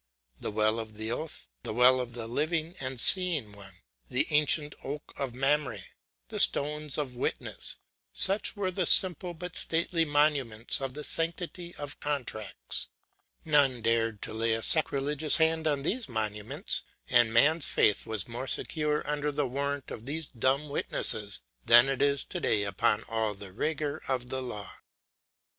The well of the oath, the well of the living and seeing one; the ancient oak of Mamre, the stones of witness, such were the simple but stately monuments of the sanctity of contracts; none dared to lay a sacrilegious hand on these monuments, and man's faith was more secure under the warrant of these dumb witnesses than it is to day upon all the rigour of the law.